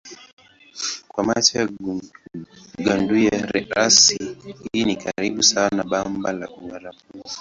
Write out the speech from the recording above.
Kwa macho ya gandunia rasi hii ni karibu sawa na bamba la Uarabuni.